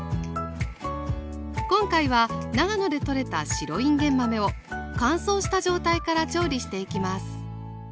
今回は長野でとれた白いんげん豆を乾燥した状態から調理していきます